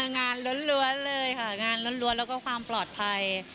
ล้วนเลยค่ะงานล้วนแล้วก็ความปลอดภัย